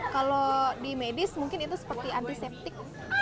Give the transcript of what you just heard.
kalau di medis mungkin itu seperti antiseptik